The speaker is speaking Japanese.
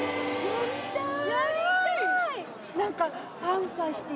やりたい！